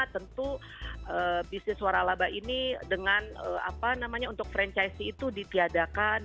tentu bisnis waralaba ini untuk franchise itu ditiadakan